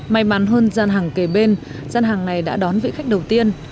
may mắn hơn gian hàng kề bên gian hàng này đã đón vị khách đầu tiên